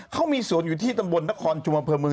เขามีส่วนอยู่ที่ตำบลนครชุมเผิมมือ